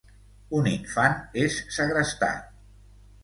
Un infant és segrestat.